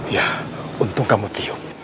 ya untung kamu tiup